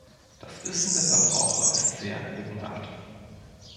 Das Wissen der Verbraucher ist sehr lückenhaft.